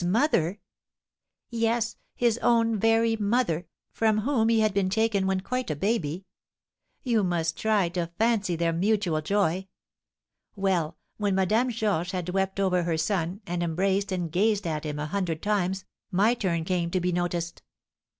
"His mother?" "Yes, his own very mother, from whom he had been taken when quite a baby! You must try to fancy their mutual joy! Well, when Madame Georges had wept over her son, and embraced and gazed at him a hundred times, my turn came to be noticed.